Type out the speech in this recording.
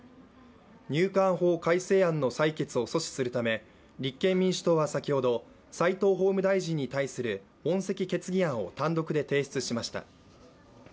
入管法改正案の採決を阻止するため立憲民主党は先ほど齋藤法務大臣に対する問責決議案を単独で提出しました。